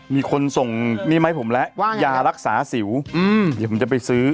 มีคนส่งนี่มาให้ผมแล้วว่ายารักษาสิวเดี๋ยวผมจะไปซื้อ